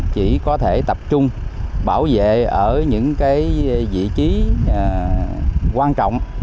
chỉ có thể tập trung bảo vệ ở những vị trí quan trọng